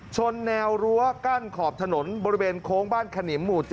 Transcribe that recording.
ชนแนวรั้วกั้นขอบถนนบริเวณโค้งบ้านขนิมหมู่๗